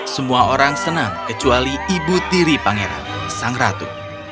semua orang senang kecuali ibu tiri pangeran sang ratu